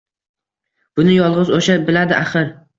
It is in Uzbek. Buni yolg’iz o’sha biladi, axir —